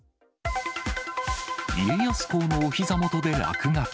家康公のおひざ元で落書き。